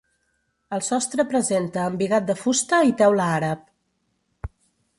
El sostre presenta embigat de fusta i teula àrab.